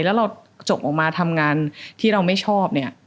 แล้วเราจบออกมาทำงานที่เราไม่ชอบเนี่ย